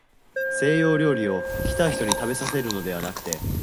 西洋料理を、来た人にたべさせるのではなくて、